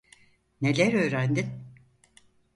Neler öğrendin?